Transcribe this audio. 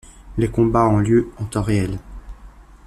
Les combats en lieu en temps réel.